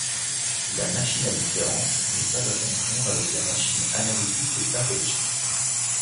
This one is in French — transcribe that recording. La machine à différence n'est pas à confondre avec la machine analytique de Babbage.